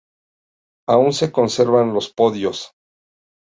Aún se conservan los podios.